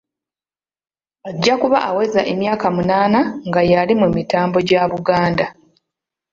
Ajja kuba aweza emyaka munaana nga y'ali mu mitambo gya Buganda.